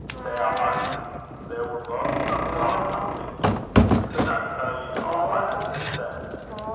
Sae I hearkened. They war baith some fou, I'm thinkin'. I cudna tell ye a' 'at they said.